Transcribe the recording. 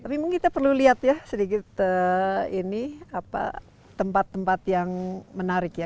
tapi mungkin kita perlu lihat ya sedikit tempat tempat yang menarik ya